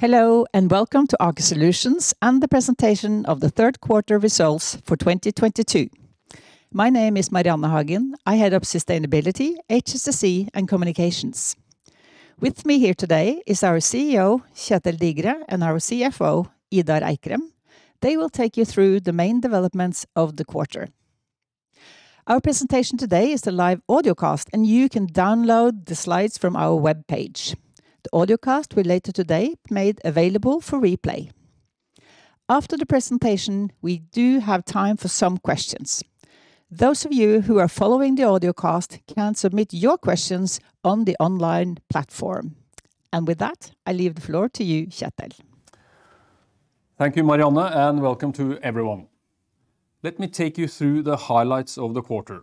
Hello, and welcome to Aker Solutions and the presentation of the Q3 results for 2022. My name is Marianne Hagen. I head up Sustainability, HSSE, and Communications. With me here today is our CEO, Kjetel Digre, and our CFO, Idar Eikrem. They will take you through the main developments of the quarter. Our presentation today is the live audio cast, and you can download the slides from our webpage. The audio cast will later today be made available for replay. After the presentation, we do have time for some questions. Those of you who are following the audio cast can submit your questions on the online platform. With that, I leave the floor to you, Kjetel. Thank you, Marianne, and welcome to everyone. Let me take you through the highlights of the quarter.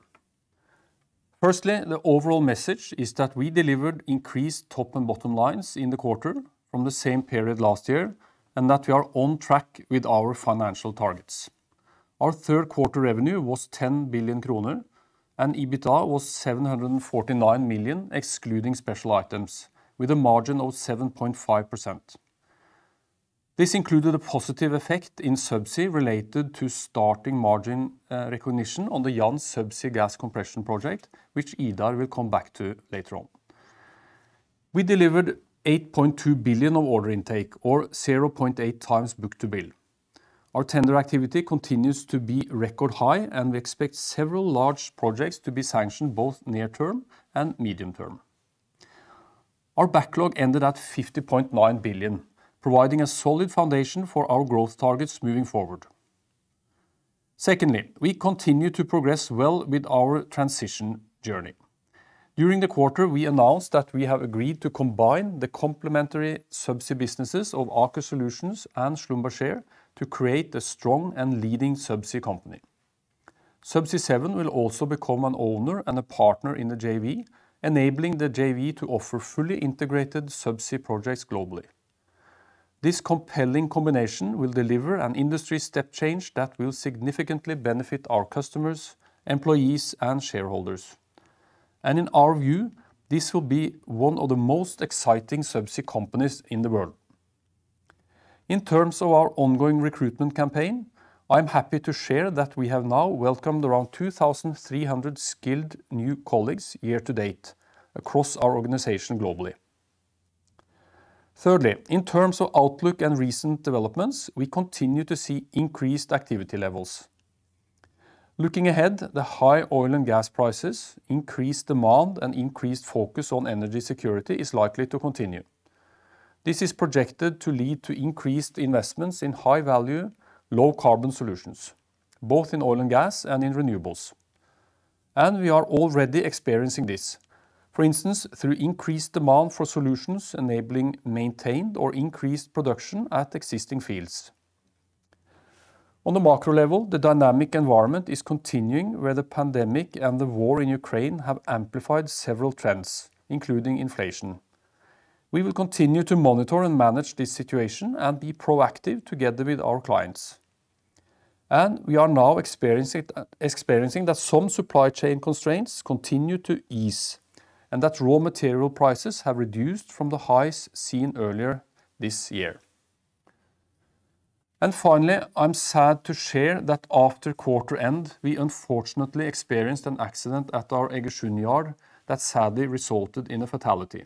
Firstly, the overall message is that we delivered increased top and bottom lines in the quarter from the same period last year and that we are on track with our financial targets. Our Q3 revenue was 10 billion kroner, and EBITDA was 749 million, excluding special items, with a margin of 7.5%. This included a positive effect in Subsea related to starting margin recognition on the Jansz-Io Subsea gas compression project, which Idar will come back to later on. We delivered 8.2 billion of order intake, or 0.8 times book-to-bill. Our tender activity continues to be record high, and we expect several large projects to be sanctioned, both near term and medium term. Our backlog ended at 50.9 billion, providing a solid foundation for our growth targets moving forward. Secondly, we continue to progress well with our transition journey. During the quarter, we announced that we have agreed to combine the complementary Subsea businesses of Aker Solutions and Schlumberger to create a strong and leading Subsea company. Subsea 7 will also become an owner and a partner in the JV, enabling the JV to offer fully integrated Subsea projects globally. This compelling combination will deliver an industry step change that will significantly benefit our customers, employees, and shareholders. In our view, this will be one of the most exciting Subsea companies in the world. In terms of our ongoing recruitment campaign, I am happy to share that we have now welcomed around 2,300 skilled new colleagues year to date across our organization globally. Thirdly, in terms of outlook and recent developments, we continue to see increased activity levels. Looking ahead, the high oil and gas prices, increased demand, and increased focus on energy security is likely to continue. This is projected to lead to increased investments in high-value, low-carbon solutions, both in oil and gas and in renewables. We are already experiencing this. For instance, through increased demand for solutions enabling maintained or increased production at existing fields. On the macro level, the dynamic environment is continuing, where the pandemic and the war in Ukraine have amplified several trends, including inflation. We will continue to monitor and manage this situation and be proactive together with our clients. We are now experiencing that some supply chain constraints continue to ease and that raw material prices have reduced from the highs seen earlier this year. Finally, I'm sad to share that after quarter end, we unfortunately experienced an accident at our Egersund yard that sadly resulted in a fatality.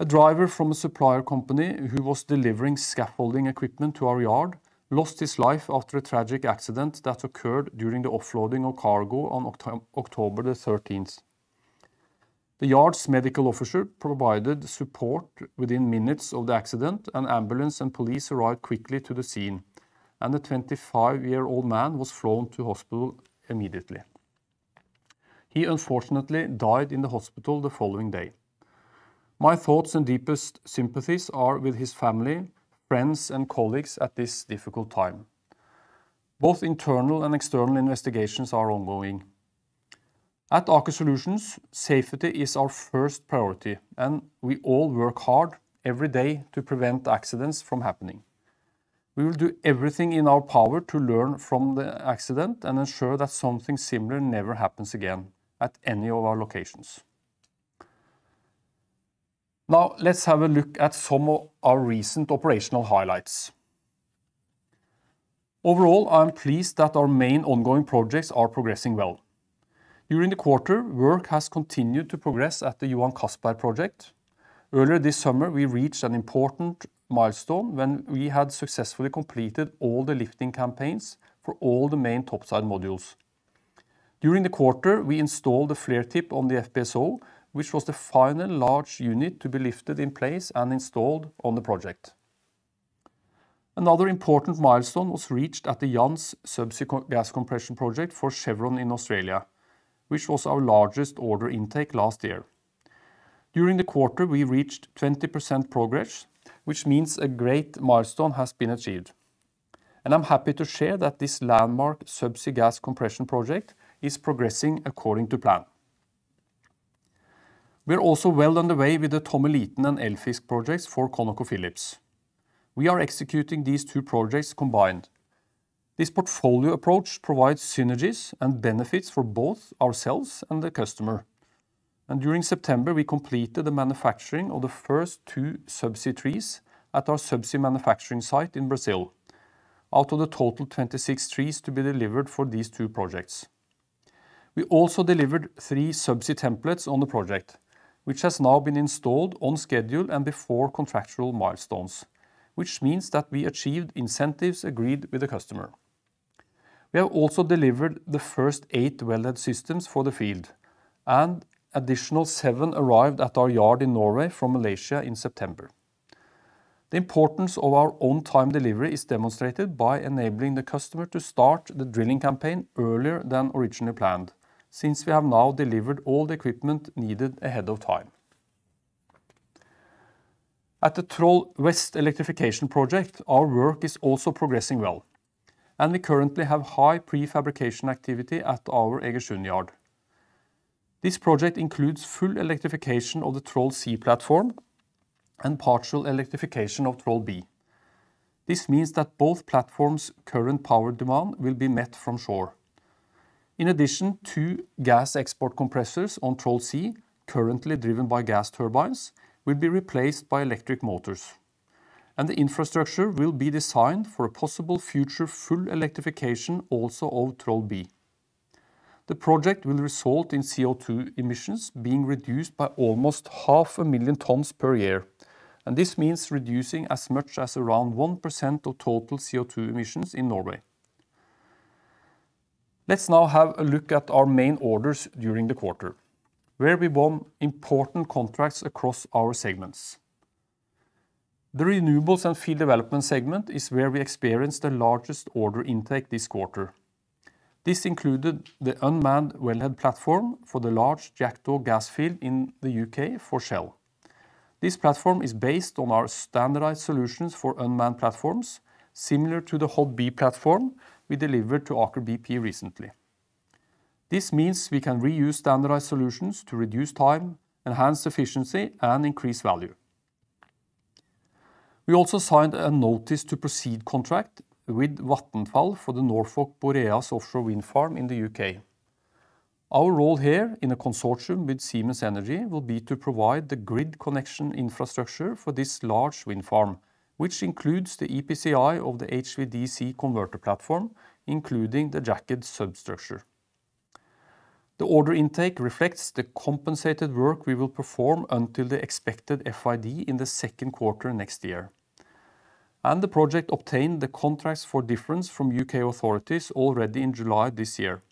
A driver from a supplier company, who was delivering scaffolding equipment to our yard, lost his life after a tragic accident that occurred during the offloading of cargo on October 13th. The yard's medical officer provided support within minutes of the accident, and ambulance and police arrived quickly to the scene, and the 25-year-old man was flown to hospital immediately. He unfortunately died in the hospital the following day. My thoughts and deepest sympathies are with his family, friends, and colleagues at this difficult time. Both internal and external investigations are ongoing. At Aker Solutions, safety is our first priority, and we all work hard every day to prevent accidents from happening. We will do everything in our power to learn from the accident and ensure that something similar never happens again at any of our locations. Now let's have a look at some of our recent operational highlights. Overall, I am pleased that our main ongoing projects are progressing well. During the quarter, work has continued to progress at the Johan Castberg project. Earlier this summer, we reached an important milestone when we had successfully completed all the lifting campaigns for all the main topside modules. During the quarter, we installed the flare tip on the FPSO, which was the final large unit to be lifted in place and installed on the project. Another important milestone was reached at the Jansz-Io subsea CO2 gas compression project for Chevron in Australia, which was our largest order intake last year. During the quarter, we reached 20% progress, which means a great milestone has been achieved, and I'm happy to share that this landmark Subsea gas compression project is progressing according to plan. We're also well on the way with the Tommeliten and Eldfisk projects for ConocoPhillips. We are executing these two projects combined. This portfolio approach provides synergies and benefits for both ourselves and the customer. During September, we completed the manufacturing of the first two subsea trees at our subsea manufacturing site in Brazil out of the total 26 trees to be delivered for these two projects. We also delivered three subsea templates on the project, which has now been installed on schedule and before contractual milestones, which means that we achieved incentives agreed with the customer. We have also delivered the first eight wellhead systems for the field, and additional seven arrived at our yard in Norway from Malaysia in September. The importance of our on-time delivery is demonstrated by enabling the customer to start the drilling campaign earlier than originally planned, since we have now delivered all the equipment needed ahead of time. At the Troll West Electrification Project, our work is also progressing well, and we currently have high prefabrication activity at our Egersund yard. This project includes full electrification of the Troll C platform and partial electrification of Troll B. This means that both platforms' current power demand will be met from shore. In addition, two gas export compressors on Troll C, currently driven by gas turbines, will be replaced by electric motors, and the infrastructure will be designed for a possible future full electrification also of Troll B. The project will result in CO2 emissions being reduced by almost 500,000 tons per year, and this means reducing as much as around 1% of total CO2 emissions in Norway. Let's now have a look at our main orders during the quarter, where we won important contracts across our segments. The renewables and field development segment is where we experience the largest order intake this quarter. This included the unmanned wellhead platform for the large Jackdaw Gas field in the UK for Shell. This platform is based on our standardized solutions for unmanned platforms, similar to the Hod B platform we delivered to Aker BP recently. This means we can reuse standardized solutions to reduce time, enhance efficiency, and increase value. We also signed a notice-to-proceed contract with Vattenfall for the Norfolk Boreas offshore wind farm in the UK. Our role here in a consortium with Siemens Energy will be to provide the grid connection infrastructure for this large wind farm, which includes the EPCI of the HVDC converter platform, including the jacket substructure. The order intake reflects the compensated work we will perform until the expected FID in the second quarter next year. The project obtained the Contracts for Difference from U.K. authorities already in July this year.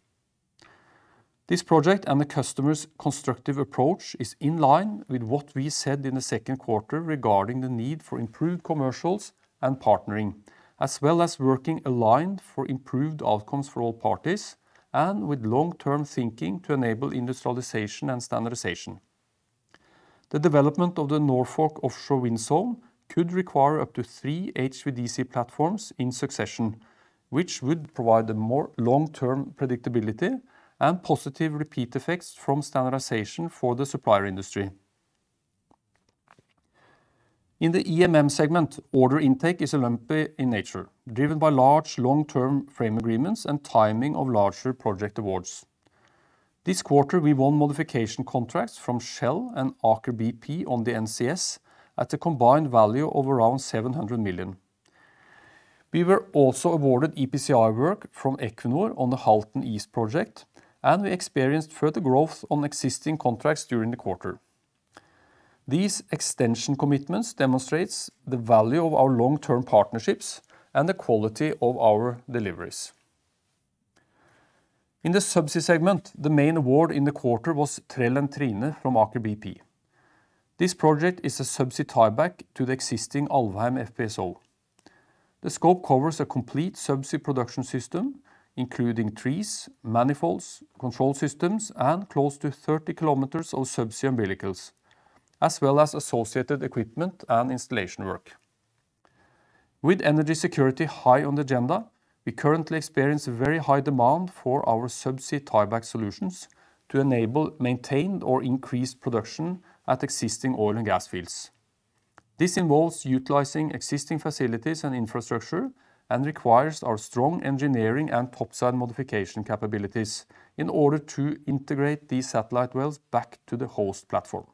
This project and the customer's constructive approach is in line with what we said in the second quarter regarding the need for improved commercials and partnering, as well as working aligned for improved outcomes for all parties and with long-term thinking to enable industrialization and standardization. The development of the Norfolk offshore wind farm could require up to three HVDC platforms in succession, which would provide a more long-term predictability and positive repeat effects from standardization for the supplier industry. In the EMM segment, order intake is lumpy in nature, driven by large long-term frame agreements and timing of larger project awards. This quarter, we won modification contracts from Shell and Aker BP on the NCS at a combined value of around 700 million. We were also awarded EPCI work from Equinor on the Halten East project, and we experienced further growth on existing contracts during the quarter. These extension commitments demonstrates the value of our long-term partnerships and the quality of our deliveries. In the subsea segment, the main award in the quarter was Trell and Trine from Aker BP. This project is a subsea tieback to the existing Alvheim FPSO. The scope covers a complete subsea production system, including trees, manifolds, control systems, and close to 30 kilometers of subsea umbilicals, as well as associated equipment and installation work. With energy security high on the agenda, we currently experience very high demand for our subsea tieback solutions to enable maintained or increased production at existing oil and gas fields. This involves utilizing existing facilities and infrastructure and requires our strong engineering and topside modification capabilities in order to integrate these satellite wells back to the host platform.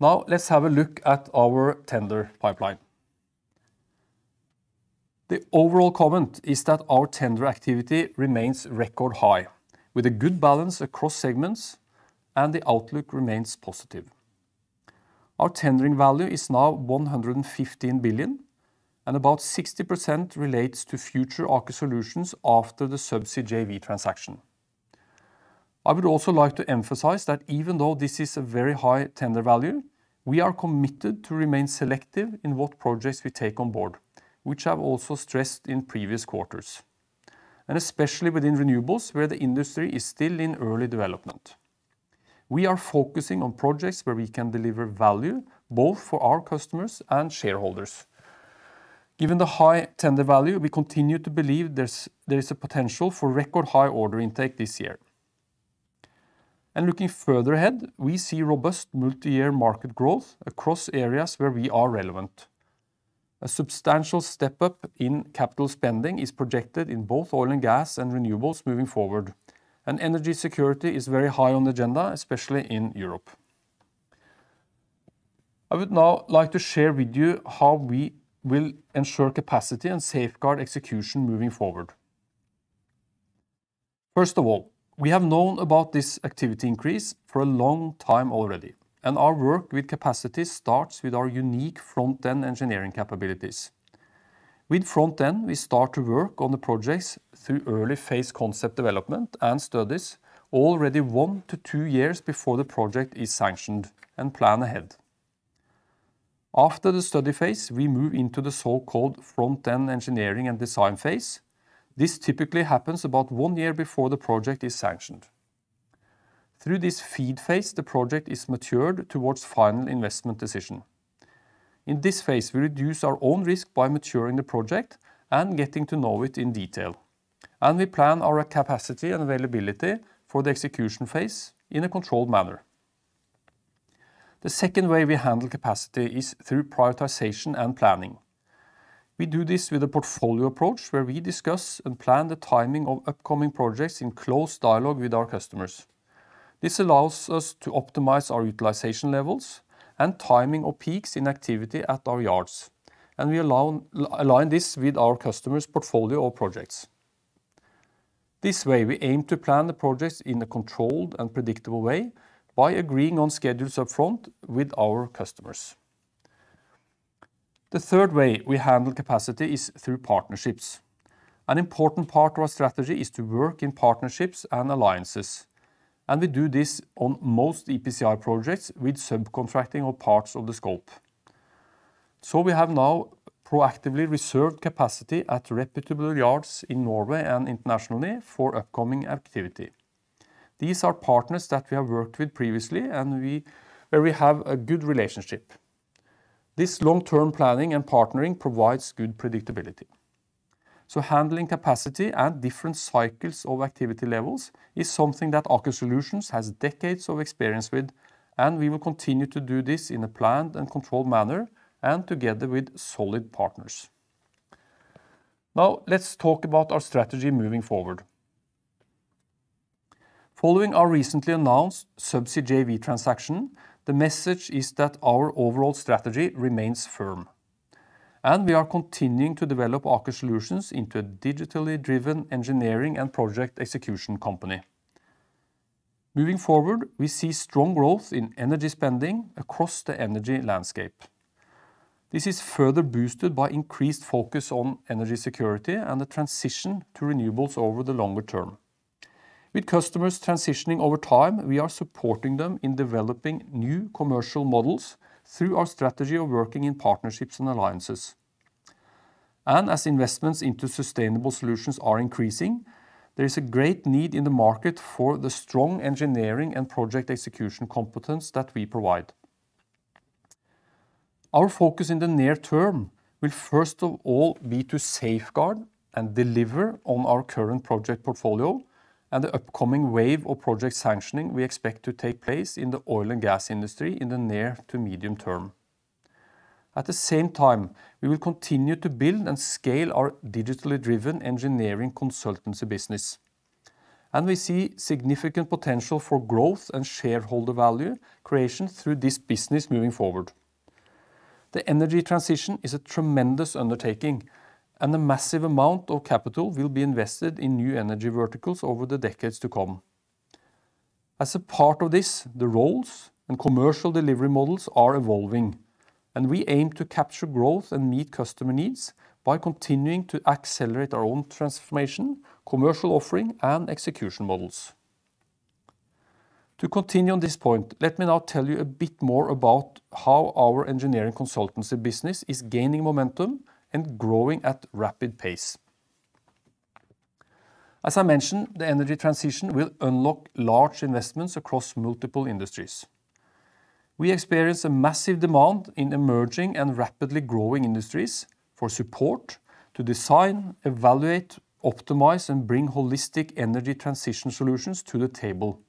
Now let's have a look at our tender pipeline. The overall comment is that our tender activity remains record high with a good balance across segments, and the outlook remains positive. Our tendering value is now 115 billion, and about 60% relates to future Aker Solutions after the Subsea JV transaction. I would also like to emphasize that even though this is a very high tender value, we are committed to remain selective in what projects we take on board, which I have also stressed in previous quarters, and especially within renewables, where the industry is still in early development. We are focusing on projects where we can deliver value both for our customers and shareholders. Given the high tender value, we continue to believe there is a potential for record high order intake this year. Looking further ahead, we see robust multi-year market growth across areas where we are relevant. A substantial step up in capital spending is projected in both oil and gas and renewables moving forward. Energy security is very high on the agenda, especially in Europe. I would now like to share with you how we will ensure capacity and safeguard execution moving forward. First of all, we have known about this activity increase for a long time already, and our work with capacity starts with our unique front-end engineering capabilities. With front-end, we start to work on the projects through early phase concept development and studies already 1-2 years before the project is sanctioned and plan ahead. After the study phase, we move into the so-called front-end engineering and design phase. This typically happens about 1 year before the project is sanctioned. Through this FEED phase, the project is matured towards final investment decision. In this phase, we reduce our own risk by maturing the project and getting to know it in detail, and we plan our capacity and availability for the execution phase in a controlled manner. The second way we handle capacity is through prioritization and planning. We do this with a portfolio approach where we discuss and plan the timing of upcoming projects in close dialogue with our customers. This allows us to optimize our utilization levels and timing of peaks in activity at our yards, and we align this with our customers portfolio or projects. This way, we aim to plan the projects in a controlled and predictable way by agreeing on schedules up front with our customers. The third way we handle capacity is through partnerships. An important part of our strategy is to work in partnerships and alliances, and we do this on most EPCI projects with subcontracting or parts of the scope. We have now proactively reserved capacity at reputable yards in Norway and internationally for upcoming activity. These are partners that we have worked with previously and where we have a good relationship. This long-term planning and partnering provides good predictability. Handling capacity and different cycles of activity levels is something that Aker Solutions has decades of experience with, and we will continue to do this in a planned and controlled manner, and together with solid partners. Now let's talk about our strategy moving forward. Following our recently announced Subsea JV transaction, the message is that our overall strategy remains firm, and we are continuing to develop Aker Solutions into a digitally driven engineering and project execution company. Moving forward, we see strong growth in energy spending across the energy landscape. This is further boosted by increased focus on energy security and the transition to renewables over the longer term. With customers transitioning over time, we are supporting them in developing new commercial models through our strategy of working in partnerships and alliances. As investments into sustainable solutions are increasing, there is a great need in the market for the strong engineering and project execution competence that we provide. Our focus in the near term will first of all be to safeguard and deliver on our current project portfolio and the upcoming wave of project sanctioning we expect to take place in the oil and gas industry in the near to medium term. At the same time, we will continue to build and scale our digitally driven engineering consultancy business, and we see significant potential for growth and shareholder value creation through this business moving forward. The energy transition is a tremendous undertaking, and the massive amount of capital will be invested in new energy verticals over the decades to come. As a part of this, the roles and commercial delivery models are evolving, and we aim to capture growth and meet customer needs by continuing to accelerate our own transformation, commercial offering and execution models. To continue on this point, let me now tell you a bit more about how our engineering consultancy business is gaining momentum and growing at rapid pace. As I mentioned, the energy transition will unlock large investments across multiple industries. We experience a massive demand in emerging and rapidly growing industries for support to design, evaluate, optimize, and bring holistic energy transition solutions to the table.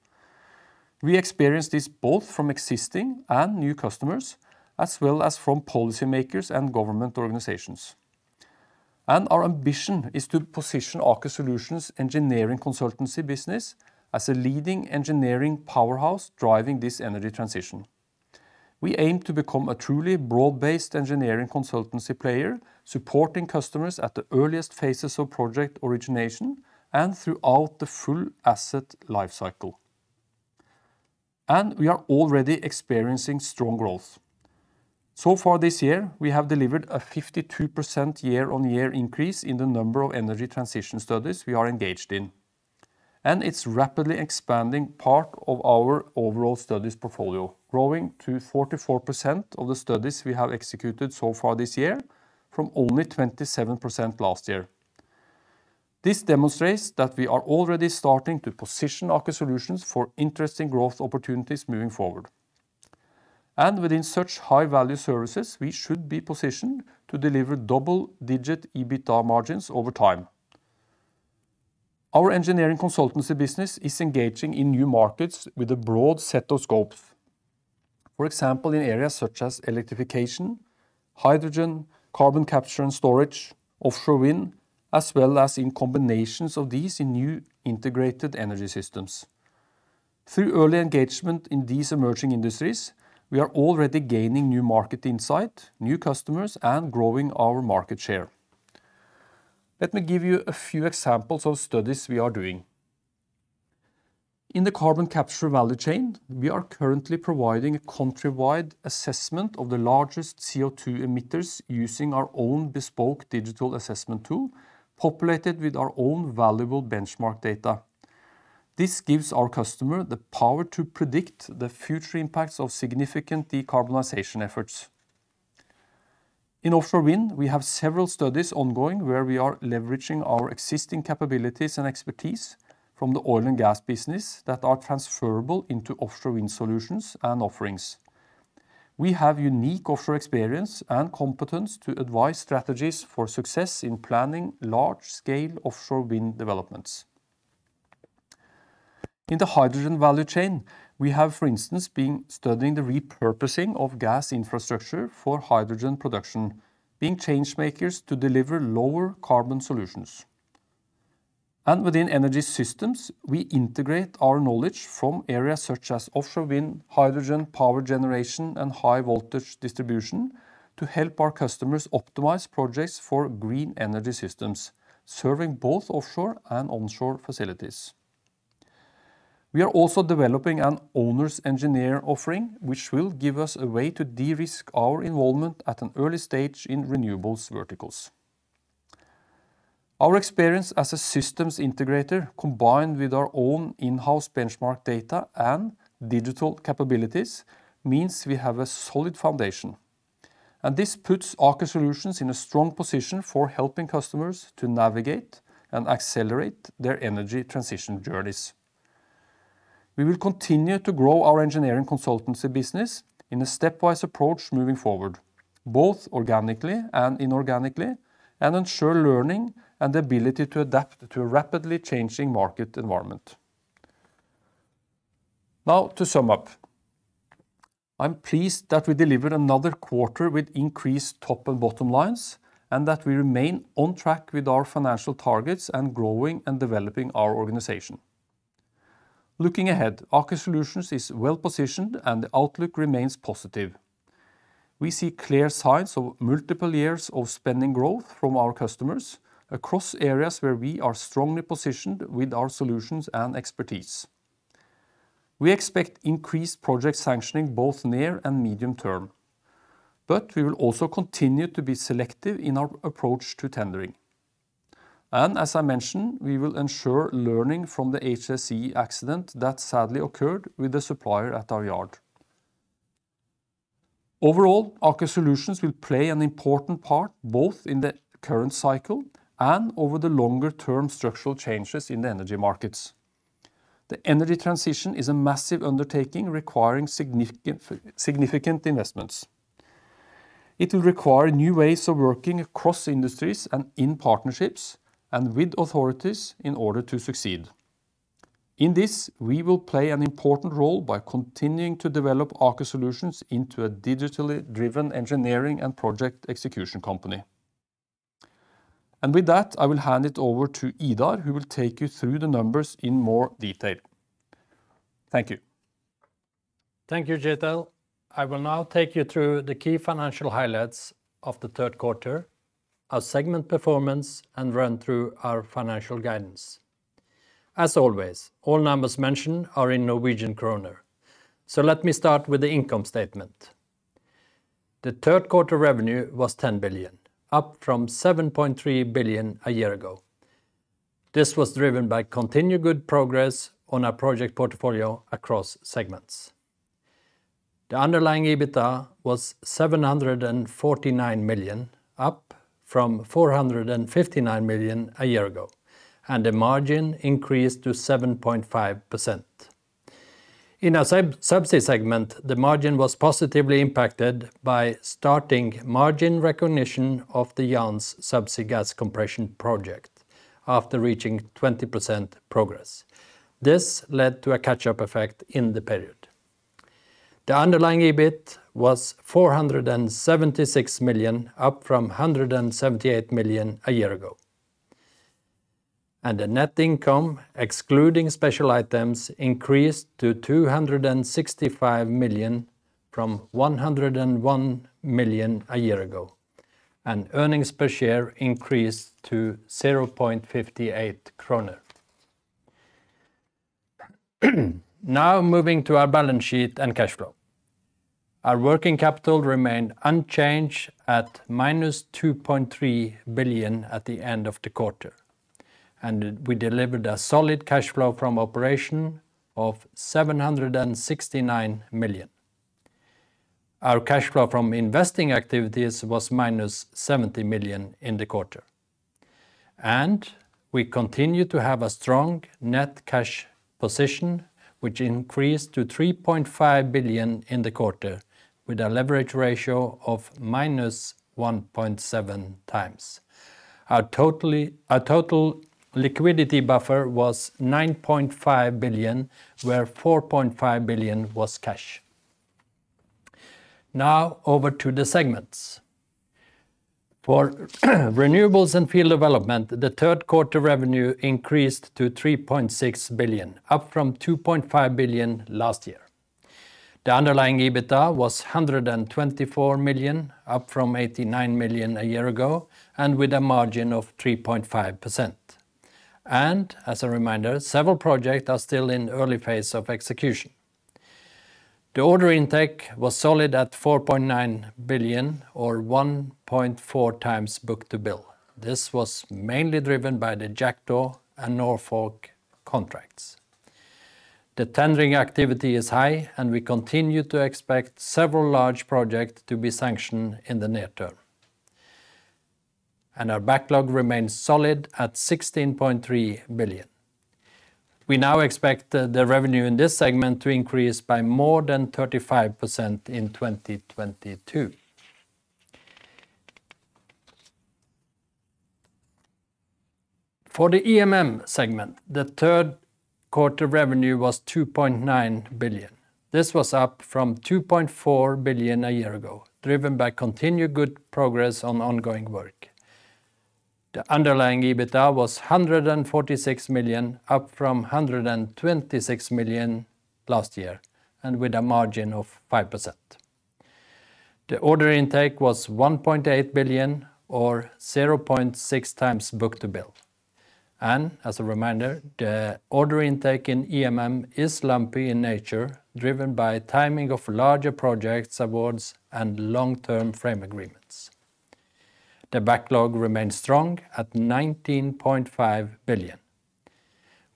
We experience this both from existing and new customers, as well as from policy makers and government organizations. Our ambition is to position Aker Solutions engineering consultancy business as a leading engineering powerhouse driving this energy transition. We aim to become a truly broad-based engineering consultancy player, supporting customers at the earliest phases of project origination and throughout the full asset life cycle. We are already experiencing strong growth. So far this year, we have delivered a 52% year-on-year increase in the number of energy transition studies we are engaged in, and it's rapidly expanding part of our overall studies portfolio, growing to 44% of the studies we have executed so far this year from only 27% last year. This demonstrates that we are already starting to position Aker Solutions for interesting growth opportunities moving forward. Within such high-value services, we should be positioned to deliver double-digit EBITDA margins over time. Our engineering consultancy business is engaging in new markets with a broad set of scopes. For example, in areas such as electrification, hydrogen, carbon capture and storage, offshore wind, as well as in combinations of these in new integrated energy systems. Through early engagement in these emerging industries, we are already gaining new market insight, new customers, and growing our market share. Let me give you a few examples of studies we are doing. In the carbon capture value chain, we are currently providing a country-wide assessment of the largest CO2 emitters using our own bespoke digital assessment tool, populated with our own valuable benchmark data. This gives our customer the power to predict the future impacts of significant decarbonization efforts. In offshore wind, we have several studies ongoing where we are leveraging our existing capabilities and expertise from the oil and gas business that are transferable into offshore wind solutions and offerings. We have unique offshore experience and competence to advise strategies for success in planning large-scale offshore wind developments. In the hydrogen value chain, we have, for instance, been studying the repurposing of gas infrastructure for hydrogen production, being change makers to deliver lower carbon solutions. Within energy systems, we integrate our knowledge from areas such as offshore wind, hydrogen, power generation, and high voltage distribution to help our customers optimize projects for green energy systems, serving both offshore and onshore facilities. We are also developing an owner's engineer offering, which will give us a way to de-risk our involvement at an early stage in renewables verticals. Our experience as a systems integrator, combined with our own in-house benchmark data and digital capabilities, means we have a solid foundation, and this puts Aker Solutions in a strong position for helping customers to navigate and accelerate their energy transition journeys. We will continue to grow our engineering consultancy business in a stepwise approach moving forward, both organically and inorganically, and ensure learning and the ability to adapt to a rapidly changing market environment. Now to sum up, I'm pleased that we delivered another quarter with increased top and bottom lines, and that we remain on track with our financial targets and growing and developing our organization. Looking ahead, Aker Solutions is well-positioned, and the outlook remains positive. We see clear signs of multiple years of spending growth from our customers across areas where we are strongly positioned with our solutions and expertise. We expect increased project sanctioning, both near and medium-term, but we will also continue to be selective in our approach to tendering. As I mentioned, we will ensure learning from the HSE accident that sadly occurred with the supplier at our yard. Overall, Aker Solutions will play an important part both in the current cycle and over the longer-term structural changes in the energy markets. The energy transition is a massive undertaking requiring significant investments. It will require new ways of working across industries and in partnerships and with authorities in order to succeed. In this, we will play an important role by continuing to develop Aker Solutions into a digitally driven engineering and project execution company. With that, I will hand it over to Idar, who will take you through the numbers in more detail. Thank you. Thank you, Kjetil. I will now take you through the key financial highlights of the third quarter, our segment performance, and run through our financial guidance. As always, all numbers mentioned are in Norwegian kroner. Let me start with the income statement. The third quarter revenue was 10 billion, up from 7.3 billion a year ago. This was driven by continued good progress on our project portfolio across segments. The underlying EBITDA was 749 million, up from 459 million a year ago, and the margin increased to 7.5%. In our Subsea segment, the margin was positively impacted by starting margin recognition of the Jansz-Io Subsea gas compression project after reaching 20% progress. This led to a catch-up effect in the period. The underlying EBIT was 476 million, up from one hundred and seventy-eight million a year ago. The net income, excluding special items, increased to 265 million from 101 million a year ago, and earnings per share increased to 0.58 kroner. Now moving to our balance sheet and cash flow. Our working capital remained unchanged at -2.3 billion at the end of the quarter, and we delivered a solid cash flow from operations of 769 million. Our cash flow from investing activities was -70 million in the quarter. We continue to have a strong net cash position, which increased to 3.5 billion in the quarter, with a leverage ratio of -1.7 times. Our total liquidity buffer was 9.5 billion, where 4.5 billion was cash. Now over to the segments. For renewables and field development, the Q3 revenue increased to 3.6 billion, up from 2.5 billion last year. The underlying EBITDA was 124 million, up from 89 million a year ago, and with a margin of 3.5%. As a reminder, several projects are still in early phase of execution. The order intake was solid at 4.9 billion or 1.4 times book-to-bill. This was mainly driven by the Jackdaw and Norfolk contracts. The tendering activity is high, and we continue to expect several large projects to be sanctioned in the near term. Our backlog remains solid at 16.3 billion. We now expect the revenue in this segment to increase by more than 35% in 2022. For the EMM segment, the third quarter revenue was 2.9 billion. This was up from 2.4 billion a year ago, driven by continued good progress on ongoing work. The underlying EBITDA was 146 million, up from 126 million last year, and with a margin of 5%. The order intake was 1.8 billion or 0.6x book-to-bill. As a reminder, the order intake in EMM is lumpy in nature, driven by timing of larger projects, awards, and long-term frame agreements. The backlog remains strong at 19.5 billion,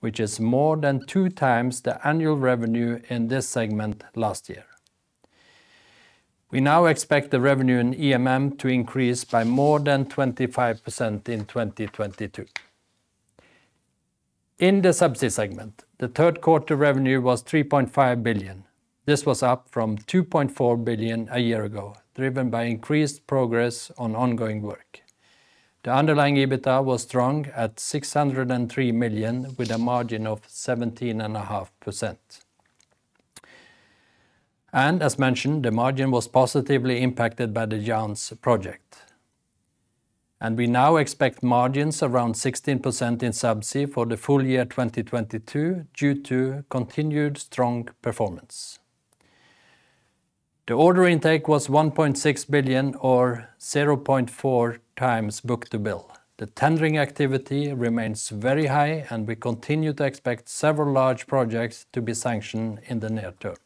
which is more than 2x the annual revenue in this segment last year. We now expect the revenue in EMM to increase by more than 25% in 2022. In the Subsea segment, the third quarter revenue was 3.5 billion. This was up from 2.4 billion a year ago, driven by increased progress on ongoing work. The underlying EBITDA was strong at 603 million, with a margin of 17.5%. As mentioned, the margin was positively impacted by the Jansz project. We now expect margins around 16% in Subsea for the full year 2022 due to continued strong performance. The order intake was 1.6 billion or 0.4 times book-to-bill. The tendering activity remains very high, and we continue to expect several large projects to be sanctioned in the near term.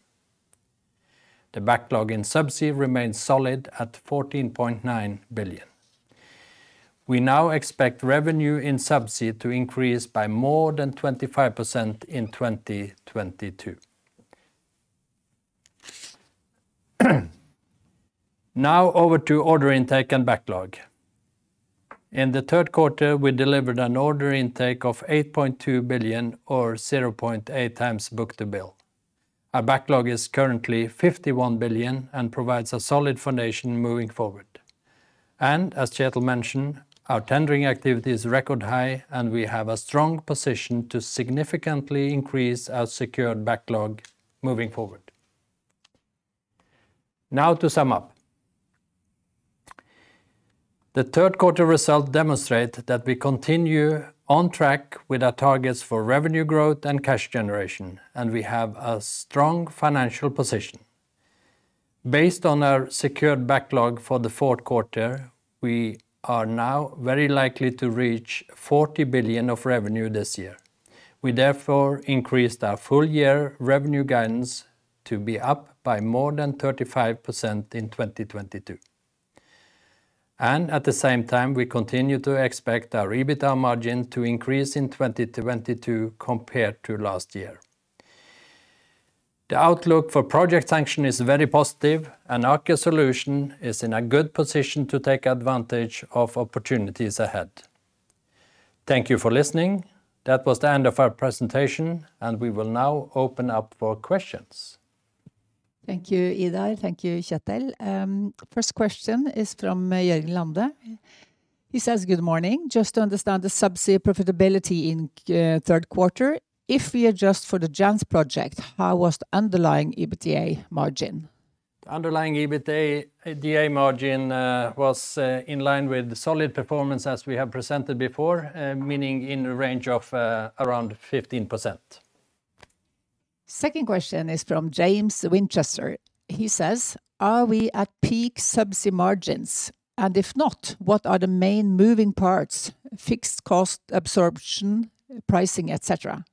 The backlog in Subsea remains solid at 14.9 billion. We now expect revenue in Subsea to increase by more than 25% in 2022. Now over to order intake and backlog. In the Q3, we delivered an order intake of 8.2 billion or 0.8 times book-to-bill. Our backlog is currently 51 billion and provides a solid foundation moving forward. As Kjetel mentioned, our tendering activity is record high, and we have a strong position to significantly increase our secured backlog moving forward. Now to sum up. The Q3 results demonstrate that we continue on track with our targets for revenue growth and cash generation, and we have a strong financial position. Based on our secured backlog for the fourth quarter, we are now very likely to reach 40 billion of revenue this year. We therefore increased our full year revenue guidance to be up by more than 35% in 2022. At the same time, we continue to expect our EBITDA margin to increase in 2022 compared to last year. The outlook for project sanction is very positive, and Aker Solutions is in a good position to take advantage of opportunities ahead. Thank you for listening. That was the end of our presentation, and we will now open up for questions. Thank you, Idar. Thank you, Kjetel. First question is from Jørgen Lunde. He says, "Good morning. Just to understand the Subsea profitability in third quarter, if we adjust for the Jansz project, how was the underlying EBITDA margin? Underlying EBITDA margin was in line with solid performance as we have presented before, meaning in range of around 15%. Second question is from James Winchester. He says, "Are we at peak Subsea margins? And if not, what are the main moving parts, fixed cost absorption, pricing, et cetera?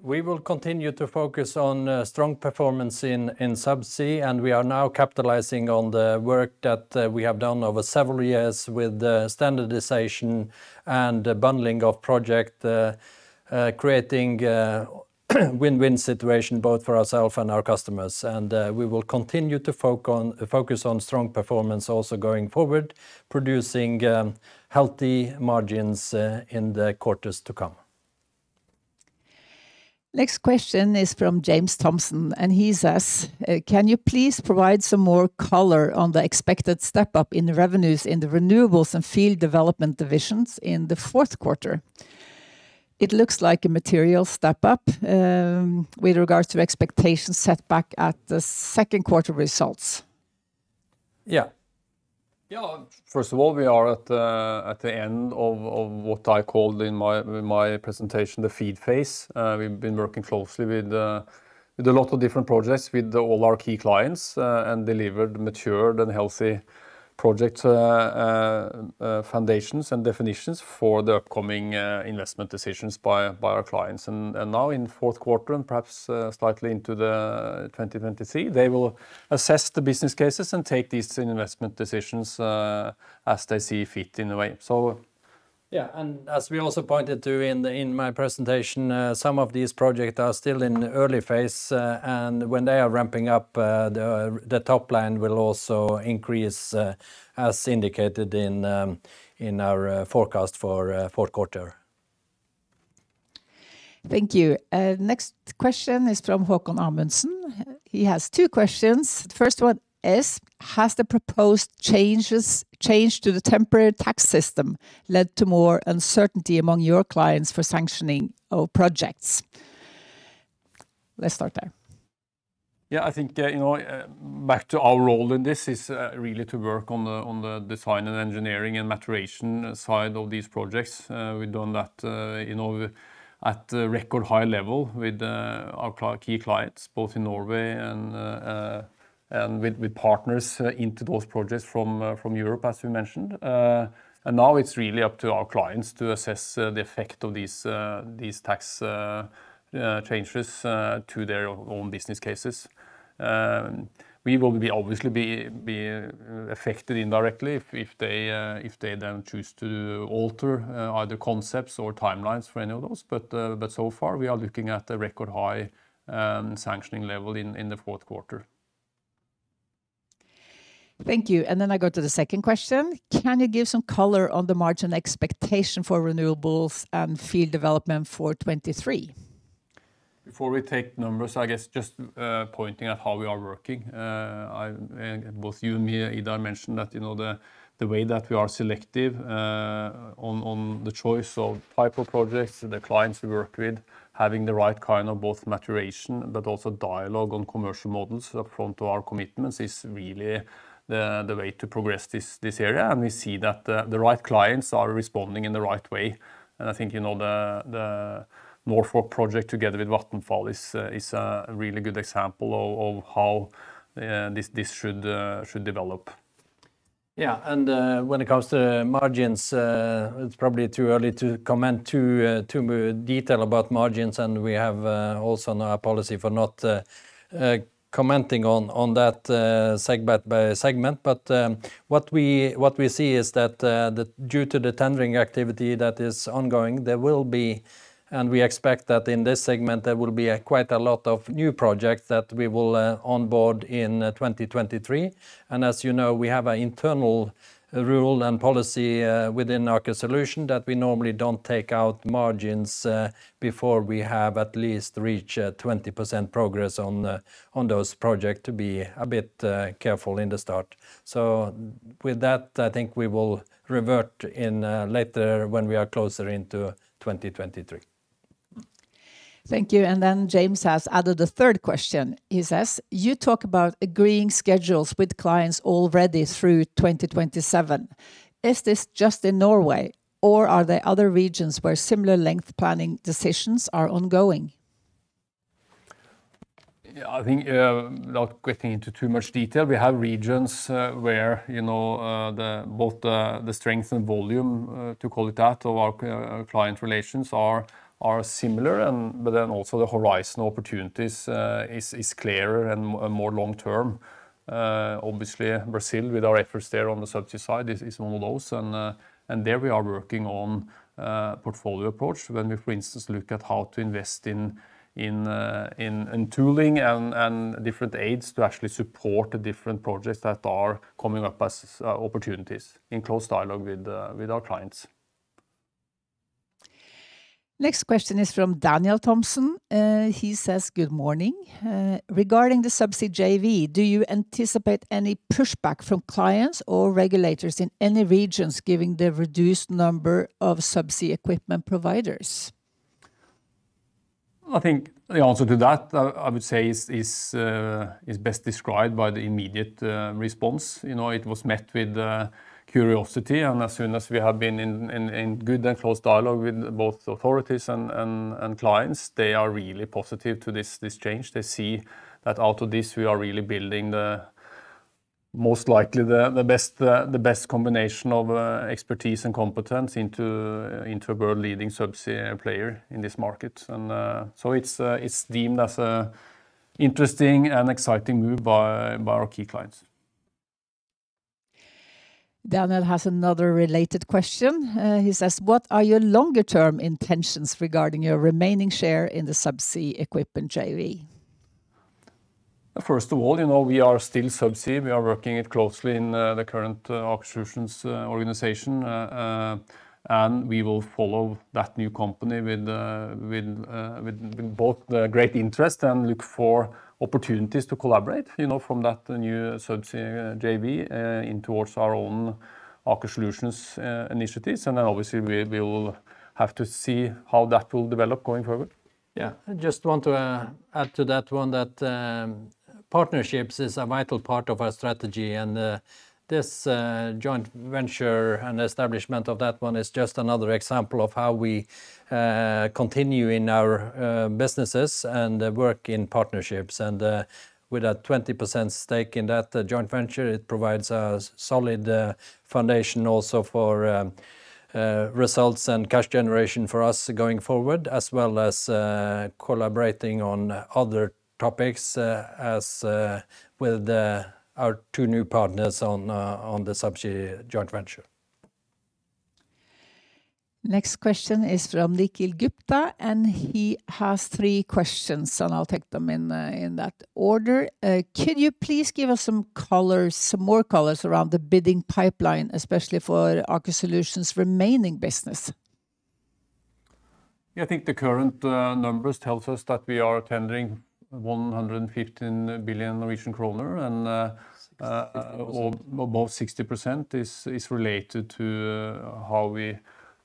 We will continue to focus on strong performance in Subsea, and we are now capitalizing on the work that we have done over several years with the standardization and bundling of project creating a win-win situation both for ourself and our customers. We will continue to focus on strong performance also going forward, producing healthy margins in the quarters to come. Next question is from James Thompson, and he says, "Can you please provide some more color on the expected step-up in the revenues in the renewables and field development divisions in the Q4? It looks like a material step-up, with regards to expectations set back at the Q2 results. Yeah. Yeah. First of all, we are at the end of what I called in my presentation the FEED phase. We've been working closely with a lot of different projects with all our key clients, and delivered matured and healthy projects, foundations and definitions for the upcoming investment decisions by our clients. Now in Q4 and perhaps slightly into 2023, they will assess the business cases and take these investment decisions as they see fit in a way. Yeah. As we also pointed to in my presentation, some of these projects are still in early phase, and when they are ramping up, the top line will also increase, as indicated in our forecast for Q4. Thank you. Next question is from Haakon Amundsen. He has two questions. The first one is, "Has the proposed changes to the temporary tax system led to more uncertainty among your clients for sanctioning of projects?" Let's start there. Yeah. I think, you know, back to our role in this is really to work on the design and engineering and maturation side of these projects. We've done that, you know, at a record high level with our key clients both in Norway and with partners into those projects from Europe, as we mentioned. Now it's really up to our clients to assess the effect of these tax changes to their own business cases. We will be obviously affected indirectly if they don't choose to alter either concepts or timelines for any of those. So far, we are looking at a record high sanctioning level in the fourth quarter. Thank you. I go to the second question. "Can you give some color on the margin expectation for renewables and field development for 2023? Before we take numbers, I guess just pointing at how we are working. Both you, me, and Idar mentioned that, you know, the way that we are selective on the choice of type of projects, the clients we work with, having the right kind of both maturation but also dialogue on commercial models up front to our commitments is really the way to progress this area. We see that the right clients are responding in the right way. I think, you know, the Norfolk Boreas project together with Vattenfall is a really good example of how this should develop. Yeah. When it comes to margins, it's probably too early to comment too much detail about margins, and we have also now a policy for not commenting on that segment by segment. What we see is that due to the tendering activity that is ongoing, there will be, and we expect that in this segment, there will be quite a lot of new projects that we will onboard in 2023. As you know, we have an internal rule and policy within Aker Solutions that we normally don't take out margins before we have at least reached 20% progress on those projects to be a bit careful in the start. With that, I think we will report in later when we are closer to 2023. Thank you. James has added a third question. He says, "You talk about agreeing schedules with clients already through 2027. Is this just in Norway, or are there other regions where similar length planning decisions are ongoing? Yeah. I think, not getting into too much detail, we have regions where you know both the strength and volume to call it that of our client relations are similar and but then also the horizon opportunities is clearer and more long-term. Obviously Brazil with our efforts there on the subsea side is one of those. There we are working on portfolio approach when we, for instance, look at how to invest in tooling and different aids to actually support the different projects that are coming up as opportunities in close dialogue with our clients. Next question is from Daniel Thompson. He says, "Good morning. Regarding the Subsea JV, do you anticipate any pushback from clients or regulators in any regions giving the reduced number of subsea equipment providers? I think the answer to that, I would say is best described by the immediate response. You know, it was met with curiosity, and as soon as we have been in good and close dialogue with both authorities and clients, they are really positive to this change. They see that out of this we are really building the most likely the best combination of expertise and competence into a world-leading subsea player in this market. So it's deemed as an interesting and exciting move by our key clients. Daniel has another related question. He says, "What are your longer term intentions regarding your remaining share in the Subsea equipment JV? First of all, you know, we are still Subsea. We are working closely in the current Aker Solutions organization. We will follow that new company with great interest and look for opportunities to collaborate, you know, from that new Subsea JV into our own Aker Solutions initiatives. Obviously, we will have to see how that will develop going forward. Yeah. I just want to add to that one that partnerships is a vital part of our strategy, and this joint venture and establishment of that one is just another example of how we continue in our businesses and work in partnerships. With a 20% stake in that joint venture, it provides a solid foundation also for results and cash generation for us going forward, as well as collaborating on other topics as with our two new partners on the Subsea joint venture. Next question is from Nikhil Gupta, and he has three questions, and I'll take them in that order. Could you please give us some color, some more colors around the bidding pipeline, especially for Aker Solutions' remaining business? Yeah, I think the current numbers tells us that we are tendering 115 billion Norwegian kroner and 60% or above 60% is related to how we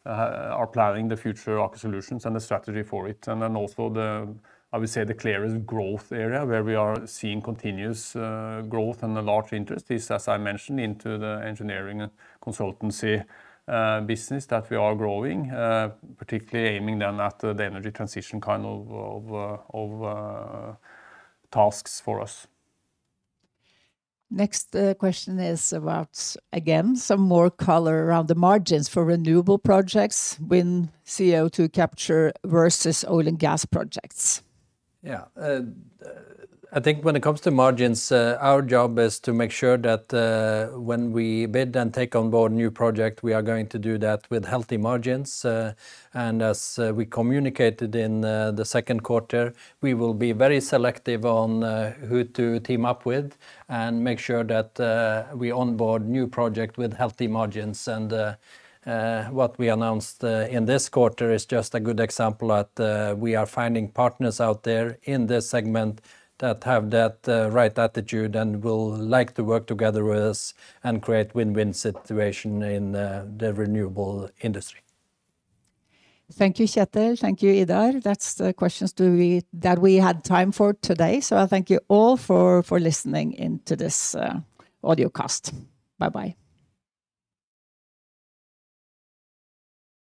are planning the future Aker Solutions and the strategy for it. The, I would say, the clearest growth area where we are seeing continuous growth and a large interest is, as I mentioned, into the engineering and consultancy business that we are growing, particularly aiming down at the energy transition kind of tasks for us. Next, question is about, again, some more color around the margins for renewable projects, wind, CO2 capture versus oil and gas projects. Yeah. I think when it comes to margins, our job is to make sure that when we bid and take on board new project, we are going to do that with healthy margins. As we communicated in the second quarter, we will be very selective on who to team up with and make sure that we onboard new project with healthy margins. What we announced in this quarter is just a good example that we are finding partners out there in this segment that have that right attitude and will like to work together with us and create win-win situation in the renewable industry. Thank you, Kjetel. Thank you, Idar. That's the questions that we had time for today. I thank you all for listening in to this audio cast. Bye-bye.